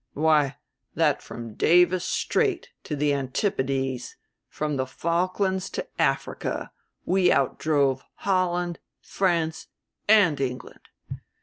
Why, that from Davis Strait to the Antipodes, from the Falklands to Africa, we outdrove Holland, France and England.